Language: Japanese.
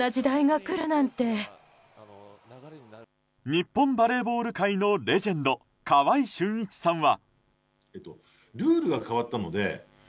日本バレーボール界のレジェンド、川合俊一さんは。